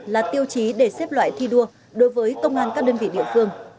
là tiêu chí để xếp loại thi đua đối với công an các đơn vị địa phương